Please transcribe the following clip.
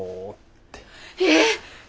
えっ！？